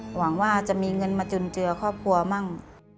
หวังว่าจะมีเงินมาจุนเจือครอบครัวมั่ง